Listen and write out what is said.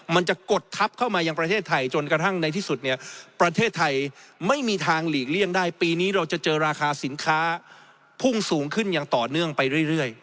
มันจะกดทับเข้ามายังประเทศไทยจนกระทั่งในที่สุดเนี่ยประเทศไทยไม่มีทางหลีกเลี่ยงได้ปีนี้เราจะเจอราคาสินค้าพุ่งสูงขึ้นอย่างต่อเนื่องไปเรื่อย